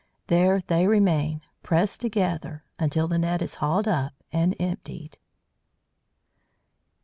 There they remain, pressed together, until the net is hauled up and emptied.